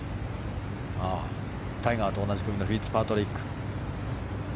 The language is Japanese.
タイガーと同じ組のフィッツパトリック。